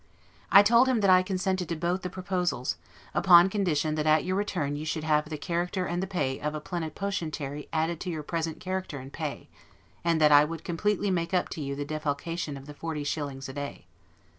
I told him that I consented to both the proposals, upon condition that at your return you should have the character and the pay of Plenipotentiary added to your present character and pay; and that I would completely make up to you the defalcation of the forty shillings a day.